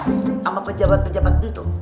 sama pejabat pejabat itu